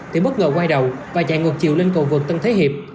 thì bất ngờ quay đầu và chạy ngược chiều lên cầu vượt tân thế hiệp